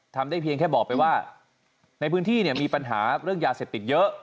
ทำได้เพียงแค่บอกไปว่าในพื้นที่เนี่ยมีปัญหาเรื่องยาเสพติดเยอะ